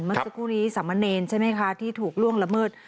เมื่อสักครู่นี้สามเณรใช่ไหมคะที่ถูกล่วงละเมิด